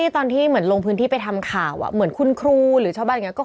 ตอนที่เหมือนลงพื้นที่ไปทำข่าวเหมือนคุณครูหรือชาวบ้านอย่างนี้